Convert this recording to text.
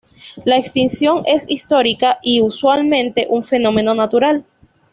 La extinción es histórica y usualmente un fenómeno natural.